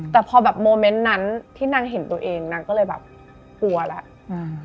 แต่พอแบบโมเมนต์นั้นที่นางเห็นตัวเองนางก็เลยแบบกลัวแล้วอืม